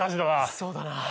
そうだな。